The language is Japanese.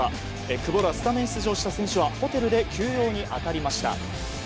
久保らスタメン出場した選手はホテルで休養に当たりました。